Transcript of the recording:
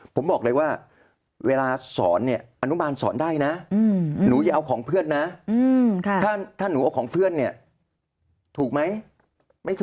ผมบอกเลยว่าเวลาสอนเนี่ยอนุบาลสอนได้นะหนูอย่าเอาของเพื่อนนะถ้าหนูเอาของเพื่อนเนี่ยถูกไหม